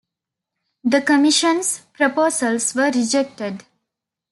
The commission's proposals were rejected.